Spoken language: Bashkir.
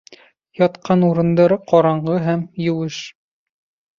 Ятҡан урындары ҡараңғы һәм еүеш.